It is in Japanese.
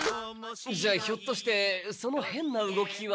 じゃあひょっとしてそのへんな動きは。